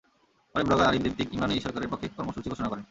পরে blogger Arif Jebtik Imran H সরকারের পক্ষে কর্মসূচি ঘোষণা করেন।